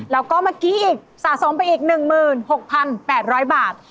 แล้วก็เมื่อกี้อีกสะสมไปอีก๑๖๘๐๐บาท